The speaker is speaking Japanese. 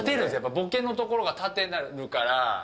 ボケのところが立てになるから。